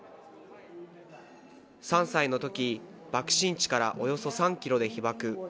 ３歳のとき、爆心地からおよそ３キロで被爆。